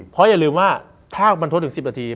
เพราะอย่าลืมว่าถ้าบรรทศถึง๑๐นาที